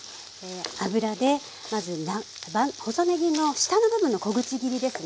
油でまず細ねぎの下の部分の小口切りですね。